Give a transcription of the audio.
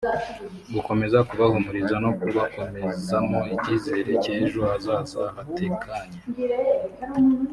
gukomeza kubahumuriza no kubakomezamo icyizere cy’ejo hazaza hatekanye